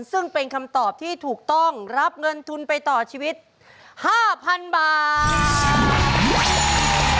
ซึ่งเป็นคำตอบที่ถูกต้องรับเงินทุนไปต่อชีวิต๕๐๐๐บาท